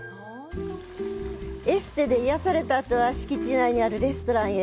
エステで癒やされたあとは敷地内にあるレストランへ。